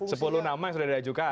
sepuluh nama yang sudah diajukan